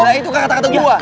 nah itu kata kata gue